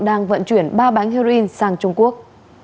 đang vận chuyển ba bánh heroin sang trung quốc